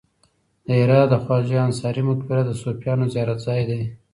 د هرات د خواجه انصاري مقبره د صوفیانو زیارت ځای دی